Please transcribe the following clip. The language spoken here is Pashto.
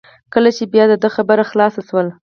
کله چې بیا د ده خبره خلاصه شول.